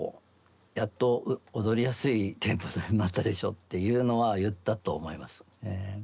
やっと踊りやすいテンポになったでしょっていうのは言ったと思いますええ。